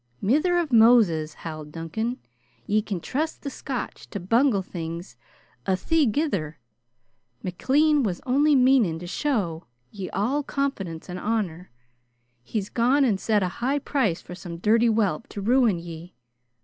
"Mither o' Moses!" howled Duncan. "Ye can trust the Scotch to bungle things a'thegither. McLean was only meanin' to show ye all confidence and honor. He's gone and set a high price for some dirty whelp to ruin ye.